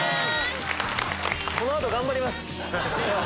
この後頑張ります。